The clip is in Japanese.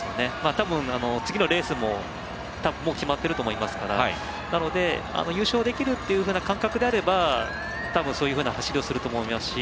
多分、次のレースももう決まってると思いますからなので、優勝できるっていうふうな感覚であれば多分、そういうふうな走りをすると思いますし。